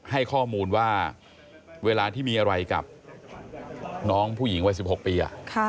ให้ข้อมูลว่าเวลาที่มีอะไรกับน้องผู้หญิงวัย๑๖ปี